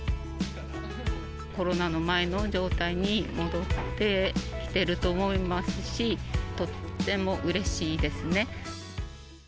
コロナの前の状態に戻ってきてると思いますし、とってもうれしいですね。